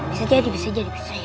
bisa jadi bisa jadi bisa ya